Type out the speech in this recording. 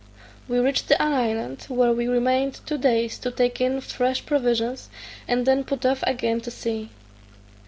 We reached an island, where we remained two days to take in fresh provisions; and then put off again to sea.